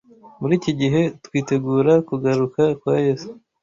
muri iki gihe twitegura kugaruka kwa Yesu